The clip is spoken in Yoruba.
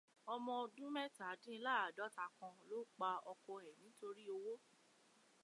Ọmọ ọdún mẹ́tàdínláàdọ́ta kan ló pa ọkọ ẹ̀ nítorí owó